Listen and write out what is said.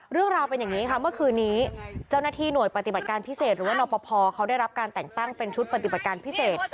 เรื่องราวเป็นอย่างนี้ค่ะเมื่อคืนนี้เจ้าหน้าที่หน่วยปฏิบัติการพิเศษหรือว่านอปภเขาได้รับการแต่งตั้งเป็นชุดปฏิบัติการพิเศษ